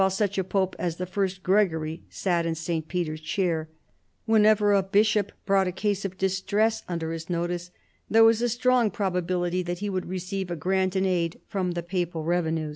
$ft such a pope as the first Gregory sat in St. Peter st chair, whenever a bishop brought a case of distress under his notice there was a strong probability that he would receive a grant in aid from the papal rev enues.